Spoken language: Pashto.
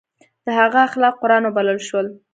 د هغه اخلاق قرآن وبلل شول.